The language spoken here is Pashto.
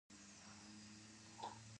د هوا د پاکوالي لپاره کوم بخار وکاروم؟